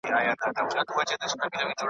¬ سل ئې مړه کړه لا ئې بدي نه بولې.